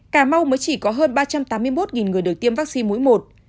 cà mau mới chỉ có hơn ba trăm tám mươi một người được tiêm vaccine mũi một